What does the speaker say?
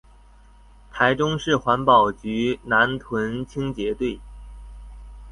臺中市環保局南屯清潔隊